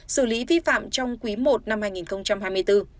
xử lý vi phạm trong quý i năm hai nghìn hai mươi bốn